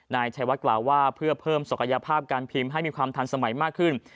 นายชัยวัดกล่าวว่าเพื่อเพิ่มศักยภาพการพิมพ์ให้มีความทันสมัยมากขึ้น